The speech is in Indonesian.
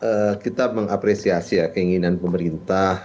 ya pertama bahwa kita mengapresiasi ya keinginan pemerintah